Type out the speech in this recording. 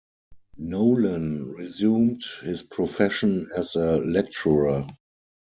Nolan resumed his profession as a lecturer.